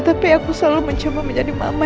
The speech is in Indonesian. tapi aku selalu mencoba menjadi mama